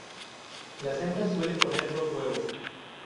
Las hembras suelen poner dos huevos.